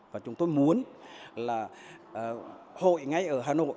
và chúng tôi muốn là hội ngay ở hà nội